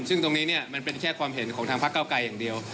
ซึ่งตรงนี้เนี่ยมันเป็นแค่ความเห็นของทางพระเก้าไกรอย่างเดียว